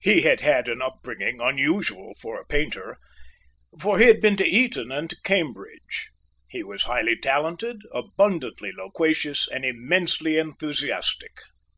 He had had an upbringing unusual for a painter, for he had been to Eton and to Cambridge. He was highly talented, abundantly loquacious, and immensely enthusiastic.